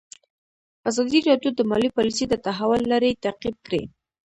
ازادي راډیو د مالي پالیسي د تحول لړۍ تعقیب کړې.